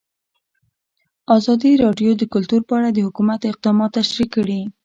ازادي راډیو د کلتور په اړه د حکومت اقدامات تشریح کړي.